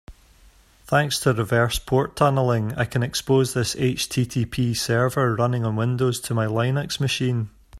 Thanks to reverse port tunneling, I can expose this HTTP server running on Windows to my Linux machine.